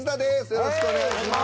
よろしくお願いします。